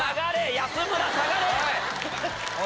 安村下がれ！